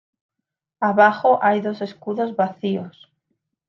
Abajo hay dos escudos vacíos.